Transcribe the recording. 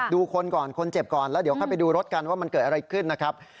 ดูคนก่อนคนเจ็บก่อนแล้วเดี๋ยวค่อยไปดูรถกันว่ามันเกิดอะไรขึ้นนะครับ